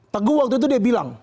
teguh waktu itu dia bilang